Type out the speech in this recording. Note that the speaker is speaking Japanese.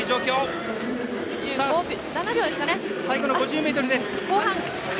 最後の５０ｍです。